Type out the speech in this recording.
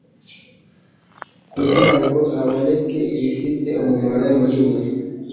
kugira ngo haboneke ibifite umumaro munini.